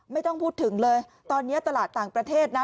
ไม่ต้องพูดถึงเลยตอนนี้ตลาดต่างประเทศนะ